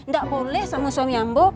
gak boleh sama suami ambo